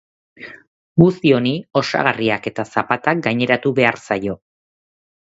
Guzti honi osagarriak eta zapatak gaineratu behar zaio.